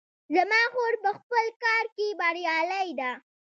زما خور په خپل کار کې بریالۍ ده